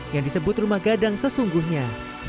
yang disebut rumah gadang sesungguhnya